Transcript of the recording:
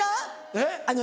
えっ？